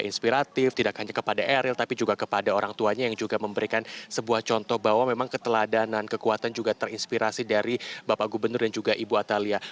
inspiratif tidak hanya kepada eril tapi juga kepada orang tuanya yang juga memberikan sebuah contoh bahwa memang keteladanan kekuatan juga terinspirasi dari bapak gubernur dan juga ibu atalia